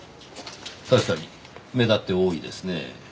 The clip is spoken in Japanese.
確かに目立って多いですねぇ。